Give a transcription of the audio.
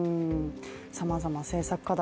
さまざま政策課題